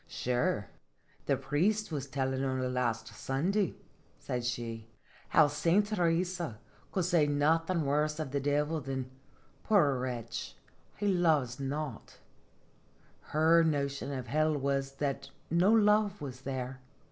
" Sure, the priest was tellin' only last Sun day," said she, " how Saint Theresa could say nothing worse of the Divil than ' Poor wretch, he loves not/ Her notion of hell was that no love was there.